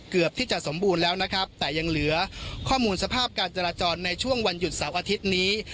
เกือบที่จะสมบูรณ์แล้วนะครับแต่ยังเหลือข้อมูลสภาพการจราจรในช่วงวันหยุดเสาร์อาทิตย์นี้